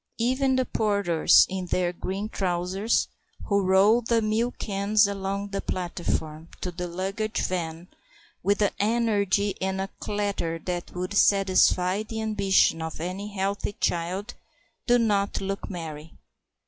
Even the porters in their green trousers, who roll the milk cans along the platform to the luggage van with an energy and a clatter that would satisfy the ambition of any healthy child, do not look merry.